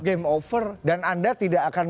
game over dan anda tidak akan